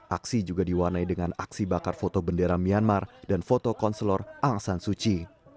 aksi juga diwarnai dengan aksi bakar foto bendera myanmar dan foto konselor ang san suci